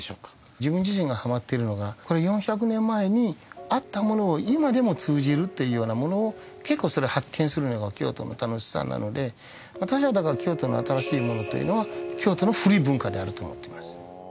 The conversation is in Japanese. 自分自身がハマってるのがこれ４００年前にあったものを今でも通じるっていうようなものを結構それを発見するのが京都の楽しさなので私はだから京都の新しいものというのは京都の古い文化であると思っています